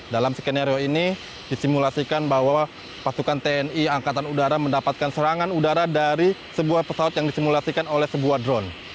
dalam skenario ini disimulasikan bahwa pasukan tni angkatan udara mendapatkan serangan udara dari sebuah pesawat yang disimulasikan oleh sebuah drone